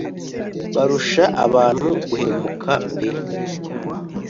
Barusha abantu guhemuka pe